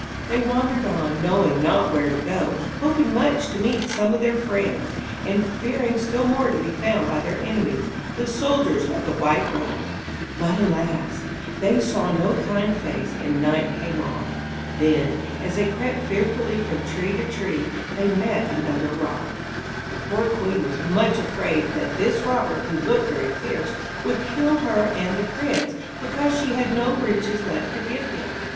They wandered on, knowing not where to go, hoping much to meet some of their friends, and fearing still more to be found by their enemies, the soldiers of the White Rose. But, alas! they saw no kind face, and night came on. Then, as they crept fearfully from tree to tree, they met another robber. [Illustration: THE ROBBERS DISCOVER QUEEN MARGARET AND THE PRINCE] The poor queen was much afraid that this robber, who looked very fierce, would kill her and the prince, because she had no riches left to give him.